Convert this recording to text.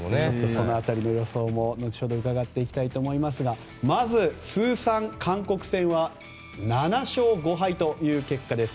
その辺りの予想も後ほど伺いたいと思いますがまず通算、韓国戦は７勝５敗という結果です。